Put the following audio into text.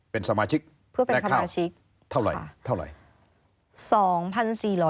เป็นสมาชิกและข้าวเท่าไหร่